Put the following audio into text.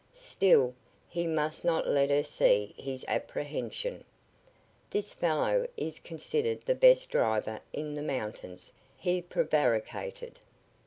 Still, he must not let her see his apprehension. "This fellow is considered the best driver in the mountains," he prevaricated.